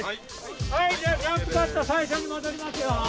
はいじゃあジャンプカット最初に戻りますよ。